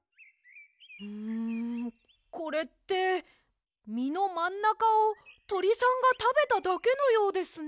んこれってみのまんなかをとりさんがたべただけのようですね。